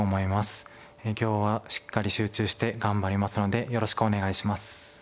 今日はしっかり集中して頑張りますのでよろしくお願いします。